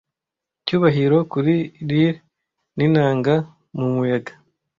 icyubahiro kuri lyre n'inanga mu muyaga